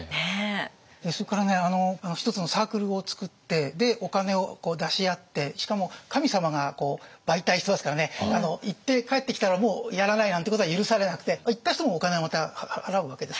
それからね一つのサークルを作ってでお金を出し合ってしかも神様が媒体してますからね行って帰ってきたらもうやらないなんてことは許されなくて行った人もお金はまた払うわけです。